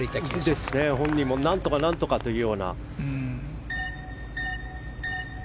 本人も何とか、何とかというような。